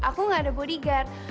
aku nggak ada bodyguard